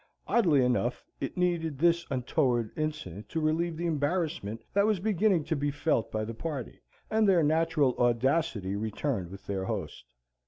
Oddly enough it needed this untoward incident to relieve the embarrassment that was beginning to be felt by the party, and their natural audacity returned with their host.